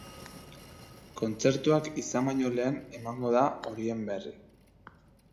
Kontzertuak izan baino lehen emango da horien berri.